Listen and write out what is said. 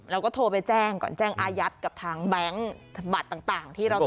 เราก็โทรไปแจ้งก่อนแจ้งอายัดกับทางแบงค์บัตรต่างที่เราทำ